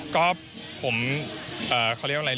ก็ผมเขาเรียกว่าอะไร